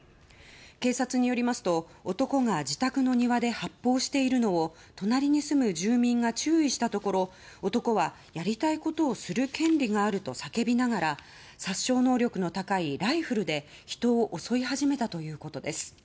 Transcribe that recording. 警察によりますと男が自宅の庭で発砲しているのを隣に住む住民が注意したところ男は、やりたいことをする権利があると叫びながら殺傷能力の高いライフルで人を襲い始めたということです。